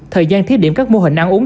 thời gian thiết điểm các mô hình ăn uống